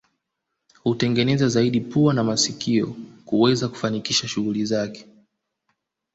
Hutegemea zaidi pua na masikio kuweza kufanikisha shughuli zake